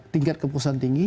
tingkat kepuasan tinggi